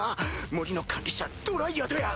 森の管理者ドライアドや！